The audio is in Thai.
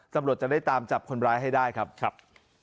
ตำรวจจะได้ตามจับคนร้ายให้ได้ครับครับ